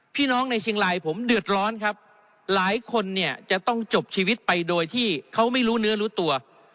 ในเชียงรายผมเดือดร้อนครับหลายคนเนี่ยจะต้องจบชีวิตไปโดยที่เขาไม่รู้เนื้อรู้ตัว